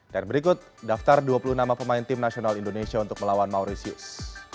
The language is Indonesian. dan berikut daftar dua puluh nama pemain timnasional indonesia untuk melawan mauritius